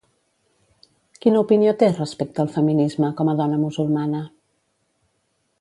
Quina opinió té respecte al feminisme com a dona musulmana?